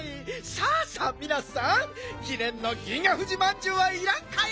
さあさあみなさんきねんの銀河フジまんじゅうはいらんかえ？